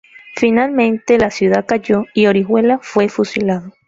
Finalmente la ciudad cayó y Orihuela fue fusilado.